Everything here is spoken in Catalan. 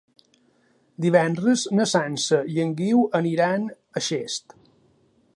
Divendres na Sança i en Guiu aniran a Xest.